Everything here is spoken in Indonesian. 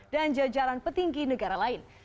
dan jajaran petinggi negara lain